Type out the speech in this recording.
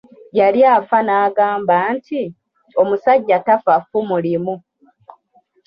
Yali afa nagamba nti, “Omusajja tafa ffumu limu."